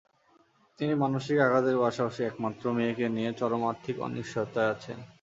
তিনি মানসিক আঘাতের পাশাপাশি একমাত্র মেয়েকে নিয়ে চরম আর্থিক অনিশ্চয়তায় আছেন।